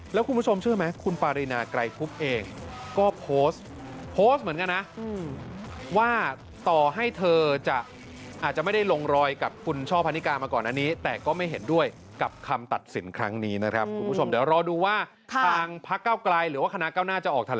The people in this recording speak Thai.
แล้วคุณผู้ชมเชื่อไหมคุณปารินาไกลคุบเองก็โพสต์วิจารณ์